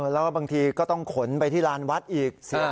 แล้วก็บางทีก็ต้องขนไปที่ลานวัดอีก